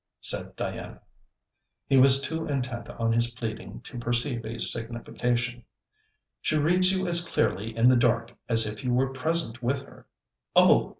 said Diana. He was too intent on his pleading to perceive a signification. 'She reads you as clearly in the dark as if you were present with her.' 'Oh!